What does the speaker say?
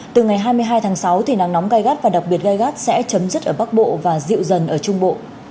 từ ngày hai mươi hai tháng sáu thì nắng nóng gai gắt và đặc biệt gai gắt sẽ chấm dứt ở bắc bộ và dịu dần ở trung bộ